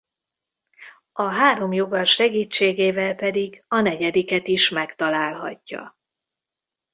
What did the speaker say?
A három jogar segítségével pedig a negyediket is megtalálhatja.